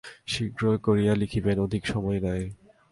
শীঘ্র করিয়া লিখিবেন, অধিক সময় নাই।